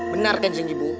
benar kan jeng ibu